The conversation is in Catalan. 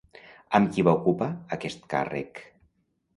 Amb qui va ocupar aquest càrrec?